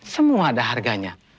semua ada harganya